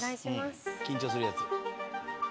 緊張するやつ。